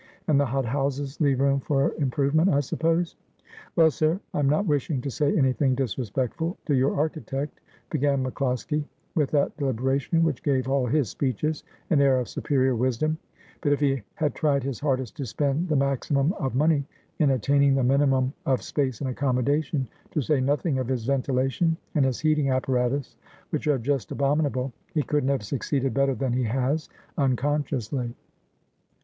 ' And the hot houses leave room for improvement, I sup pose ?'' Well, sir, I'm not wishing to say anything disrespectful to your architect,' began MacCloskie, with that deliberation which gave all his speeches an air of superior wisdom, ' but if he had tried his hardest to spend the maximum of money in attaining the minimum of space and accommodation — to say nothing of his ventilation and his heating apparatus, which are just abomin able — he couldn't have succeeded better than he has — uncon sciously.'